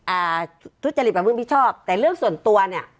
อ่าทุจริตประพฤติมิชชอบแต่เรื่องส่วนตัวเนี้ย